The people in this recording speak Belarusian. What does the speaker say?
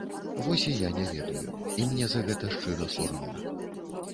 Вось і я не ведаю, і мне за гэта шчыра сорамна.